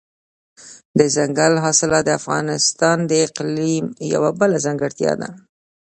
دځنګل حاصلات د افغانستان د اقلیم یوه بله ځانګړتیا ده.